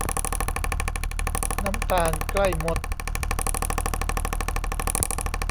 น้ำตาลใกล้มด